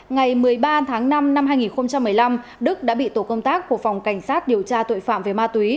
ngày một mươi ba tháng năm năm hai nghìn một mươi năm đức đã bị tổ công tác của phòng cảnh sát điều tra tội phạm về ma túy